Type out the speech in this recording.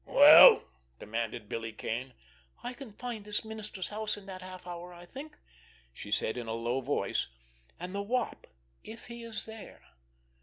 "Well?" demanded Billy Kane. "I can find this minister's house in that half hour, I think," she said in a low voice. "And the Wop—if he is there."